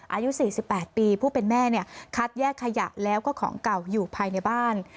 อายุ๔๘ปีผู้เป็นแม่เนี่ยคัดแยกขยะแล้วก็ของเก่าอยู่ภายในบ้าน